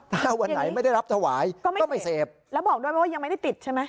ถ้าวันไหนไม่ได้รับถวายก็ไม่เสพแล้วบอกด้วยว่ายังไม่ได้ติดใช่ไหม